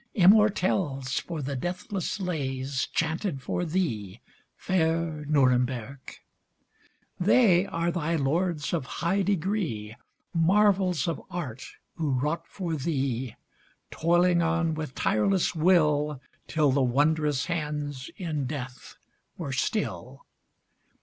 Immortelles for the deathless lays Chanted for thee, fair Nuremberg I They are thy Lords of High Degree, Marvels of art who wrought for thee, Toiling on with tireless will Till the wondrous hands in death were still.